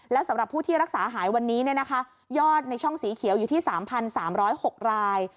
และสำหรับผู้ที่รักษาหายวันนี้ยอดในช่องสีเขียวอยู่ที่๓๓๐๖ราย